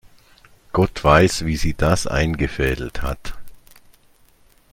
Gott weiß, wie sie das eingefädelt hat.